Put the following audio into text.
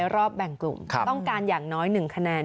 รอบแบ่งกลุ่มต้องการอย่างน้อย๑คะแนน